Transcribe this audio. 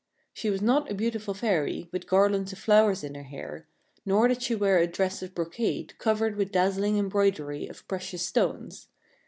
She was not a beautiful fairy, with garlands of flowers in her hair ; nor did she wear a dress of brocade, covered with dazzling embroidery of precious stones.